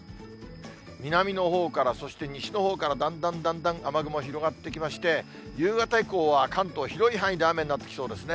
南のほうから、そして西のほうからだんだんだんだん、雨雲広がってきまして、夕方以降は関東、広い範囲で雨になってきそうですね。